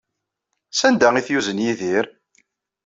Sanda ay t-yuzen Yidir?